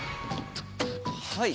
はい。